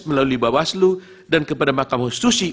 melalui bawaslu dan kepada mahkamah konstitusi